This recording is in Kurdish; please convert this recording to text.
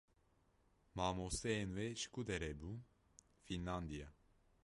Mamosteyên we ji ku derê bûn? "Fînlandiya."